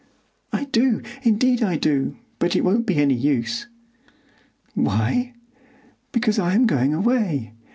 "I do, indeed I do; but it won't be any use." "Why?" "Because I am going away."